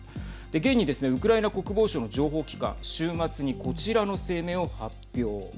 現にですねウクライナ国防省の情報機関週末に、こちらの声明を発表。